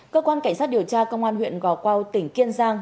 cơ quan cảnh sát điều tra công an huyện gò quao tỉnh kiên giang